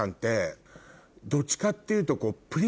どっちかっていうと。